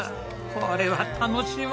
これは楽しいわ。